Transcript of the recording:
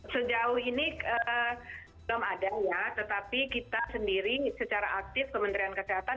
sejauh ini belum ada ya tetapi kita sendiri secara aktif kementerian kesehatan